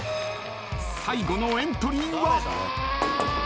［最後のエントリーは］